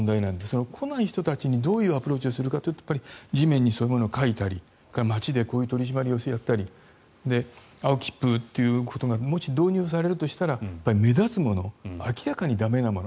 その来ない人たちにどうアプローチするかというと地面にそういうものを書いたり街で取り締まりをやったり青切符ということがもし導入されるとしたら目立つもの明らかに駄目なもの